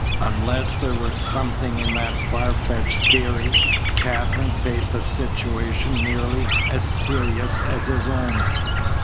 Unless there were something in that far fetched theory, Katherine faced a situation nearly as serious as his own.